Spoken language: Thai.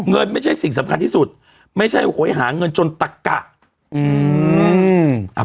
ไม่ใช่สิ่งสำคัญที่สุดไม่ใช่โหยหาเงินจนตะกะอืม